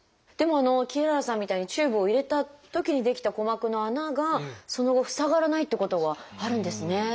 でもきららさんみたいにチューブを入れたときに出来た鼓膜の穴がその後塞がらないってことがあるんですね。